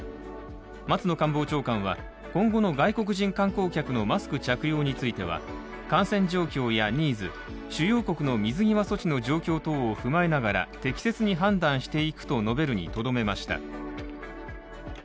松野官房長官は、今後の外国人観光客のマスク着用については感染状況やニーズ、主要国の水際措置の状況等を踏まえながら、適切に判断していくと述べるにとどめました。